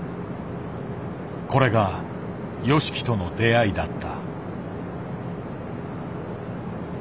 これがＹＯＳＨＩＫＩとの出会いだった。